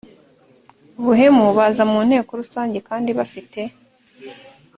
buhemu baza mu nteko rusange kandi bafite